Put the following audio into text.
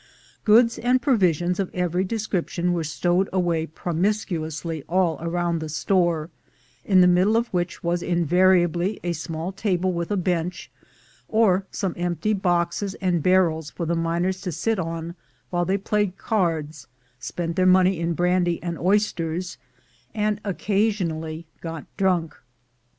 Goods and provisions of every description were stowed away promiscuously all round the store, in the middle of which was invariably a small table with a bench, or some empty boxes and barrels for the miners to sit on while they played cards, spent their money in brandy and oysters, and occasionally got drunk.